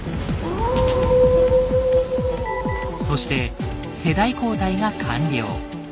そして「世代交代」が完了。